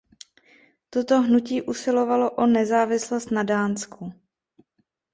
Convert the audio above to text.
Toto hnutí usilovalo o nezávislost na Dánsku.